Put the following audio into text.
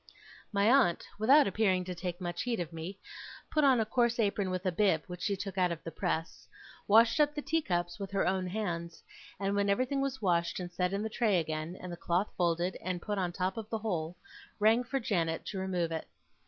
My aunt, without appearing to take much heed of me, put on a coarse apron with a bib, which she took out of the press; washed up the teacups with her own hands; and, when everything was washed and set in the tray again, and the cloth folded and put on the top of the whole, rang for Janet to remove it.